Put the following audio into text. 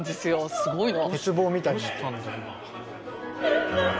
すごいの。